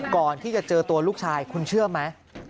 ก่อนที่จะเจอตัวลูกชายคุณเชื่อไหม